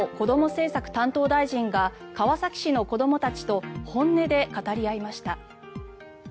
政策担当大臣が川崎の子どもたちと本音で語り合いました。